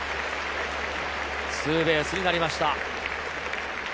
ツーベースになりました。